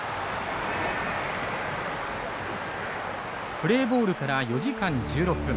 プレーボールから４時間１６分。